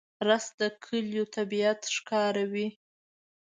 رس د کلیو طبیعت ښکاروي